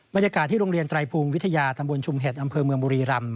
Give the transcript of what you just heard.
บรรยากาศที่โรงเรียนไตรภูมิวิทยาตำบลชุมเห็ดอำเภอเมืองบุรีรำ